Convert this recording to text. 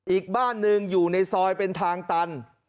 อีกบ้านหนึ่งอยู่ในซอยเป็นทางตัน